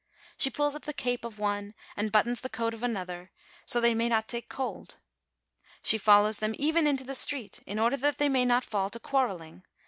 She pulls up the cape of one, and buttons the coat of another, so they may not take cold. She follows them even into the street, in order that they may not fall to quarrelling.